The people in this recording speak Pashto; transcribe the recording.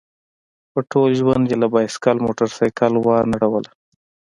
په ټول ژوند یې له سایکل موټرسایکل وانه ړوله.